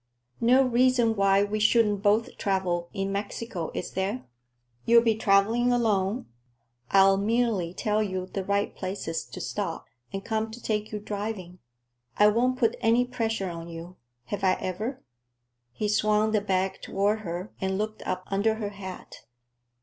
No reason why we shouldn't both travel in Mexico, is there? You'll be traveling alone. I'll merely tell you the right places to stop, and come to take you driving. I won't put any pressure on you. Have I ever?" He swung the bag toward her and looked up under her hat.